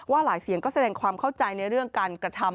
หลายเสียงก็แสดงความเข้าใจในเรื่องการกระทำ